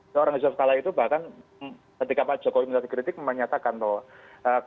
seorang yusuf kala itu bahkan ketika pak jokowi minta dikritik menyatakan bahwa